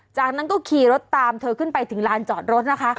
จากนั้นก็ขี่รถตามเธอขึ้นไปถึงลานจอดรถนะคะ